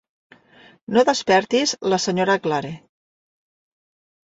No despertis la Sra. Clare.